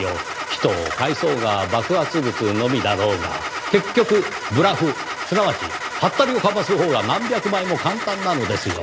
人を介そうが爆発物のみだろうが結局ブラフすなわちはったりをかますほうが何百倍も簡単なのですよ。